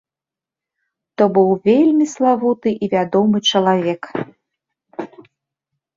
То быў вельмі славуты і вядомы чалавек.